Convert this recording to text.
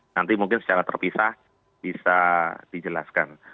nanti mungkin secara terpisah bisa dijelaskan